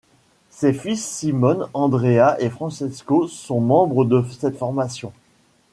Ses fils Simone, Andrea et Francesco sont membres de cette formation.